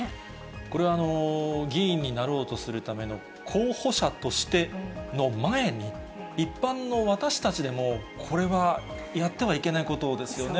これは議員になろうとするための候補者としての前に、一般の私たちでもこれはやってはいけないことですよね。